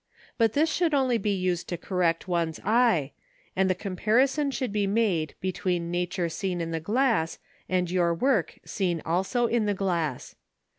But this should only be used to correct one's eye, and the comparison should be made between nature seen in the glass and your work seen also in the glass.